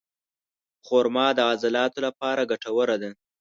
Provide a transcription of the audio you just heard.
خرما د عضلاتو لپاره ګټوره ده.